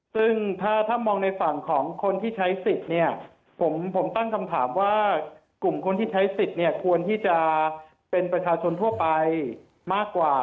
ซึ่งถ้ามองในฝั่งของคนที่ใช้สิทธิ์เนี่ยผมตั้งคำถามว่ากลุ่มคนที่ใช้สิทธิ์เนี่ยควรที่จะเป็นประชาชนทั่วไปมากกว่า